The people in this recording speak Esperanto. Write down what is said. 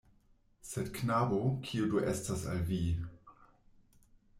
Sed knabo, kio do estas al vi...